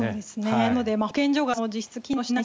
なので、保健所が実質、機能していない。